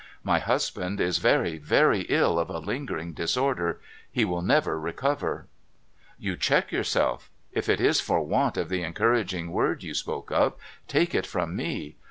My husband is very, very ill of a lingering disorder. He will never recover '' You check yourself. If it is for want of the encouraging word you spoke of, take it from me.